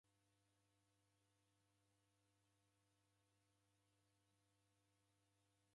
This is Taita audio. W'elomba w'ilekerelo kwa kuw'ikilwa mafungu.